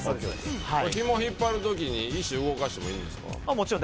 ひも引っ張る時に石動かしてもいいんですか。